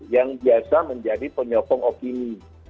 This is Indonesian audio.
yang biasa menjadi penyokong opini